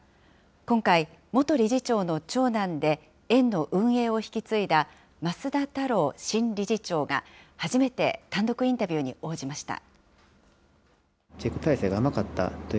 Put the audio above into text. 今回、元理事長の長男で、園の運営を引き継いだ増田多朗新理事長が初めて単独インタビューに応じました。